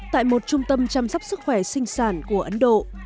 tại một trung tâm chăm sóc sức khỏe sinh sản của ấn độ